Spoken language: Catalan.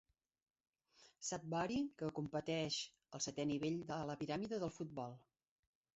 Sudbury, que competeix al setè nivell de la piràmide del futbol.